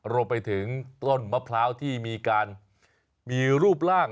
รวมไปถึงต้นมะพร้าวที่มีการมีรูปร่าง